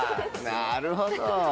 なるほど。